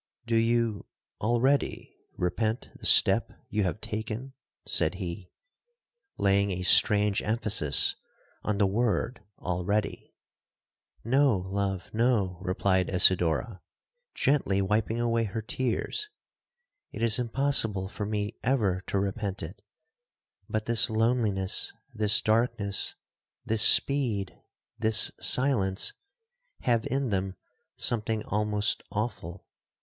'Do you already repent the step you have taken?' said he, laying a strange emphasis on the word—already. 'No, love, no!' replied Isidora, gently wiping away her tears; 'it is impossible for me ever to repent it. But this loneliness,—this darkness,—this speed,—this silence,—have in them something almost awful.